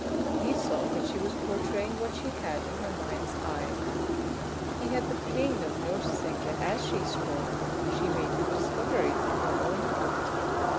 He saw that she was portraying what she had in her mind's eye. He had the pain of noticing that as she spoke she made new discoveries in her own heart.